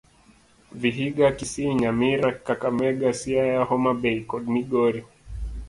Vihiga, Kisii, Nyamira, Kakamega, Siaya, Homabay kod Migori.